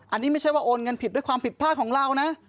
อันนี้ไม่ใช่ว่าโอนเงินผิดด้วยความผิดพลาดของเรานะ